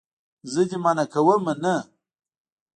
زه دې منع کومه نه.